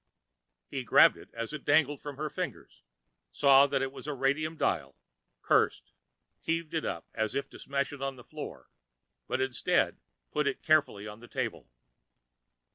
He grabbed it as it dangled from her fingers, saw that it had a radium dial, cursed, heaved it up as if to smash it on the floor, but instead put it carefully on the table.